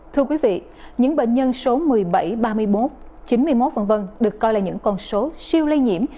thưa quý vị những bệnh nhân số một mươi bảy ba mươi một chín mươi một v v được coi là những con số siêu lây nhiễm